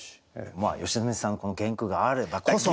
まあ良純さんのこの原句があればこその。